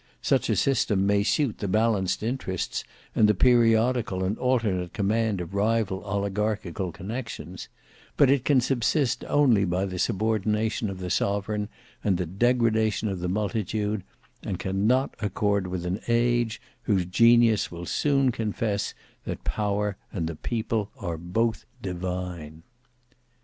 Such a system may suit the balanced interests and the periodical and alternate command of rival oligarchical connections: but it can subsist only by the subordination of the sovereign and the degradation of the multitude; and cannot accord with an age, whose genius will soon confess that Power and the People are both divine.